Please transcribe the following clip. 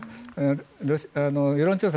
世論調査